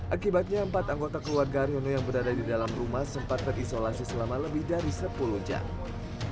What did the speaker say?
akibatnya empat anggota keluarga haryono yang berada di dalam rumah sempat terisolasi selama lebih dari sepuluh jam